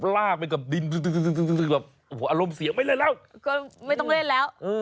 ลากไปกับดินอารมณ์เสียไปเลยแล้วไม่ต้องเล่นแล้ว